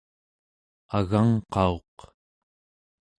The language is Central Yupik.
agangqauq